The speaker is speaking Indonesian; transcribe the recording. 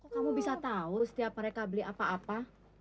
kamu bisa tahu setiap mereka beli apa apa